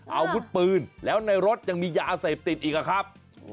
อาวุธปืนแล้วในรถยังมียาเสพติดอีกอะครับ